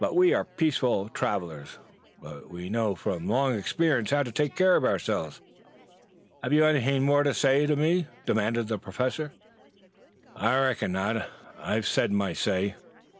We are peaceable travelers, but we know from long experience how to take care of ourselves. Have you anything more to say to me?" demanded the Professor. "I reckon not. I've said my say."